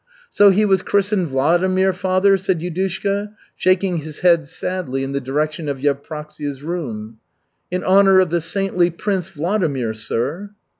"So he was christened Vladimir, father?" said Yudushka, shaking his head sadly in the direction of Yevpraksia's room. "In honor of the saintly Prince Vladimir, sir."